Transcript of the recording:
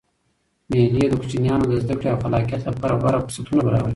مېلې د کوچنيانو د زدکړي او خلاقیت له پاره غوره فرصتونه برابروي.